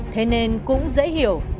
thế nên cũng dễ hiểu